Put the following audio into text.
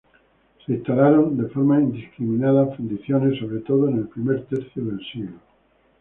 Se instalaron de forma indiscriminada fundiciones sobre todo en el primer tercio de siglo.